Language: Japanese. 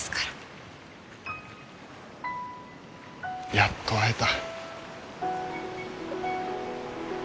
やっと会えた。